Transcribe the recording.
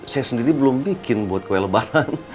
saya sendiri belum bikin buat kue lebaran